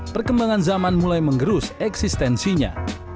perkembangan zaman mulai mengerus eksistensinya